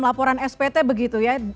laporan spt begitu ya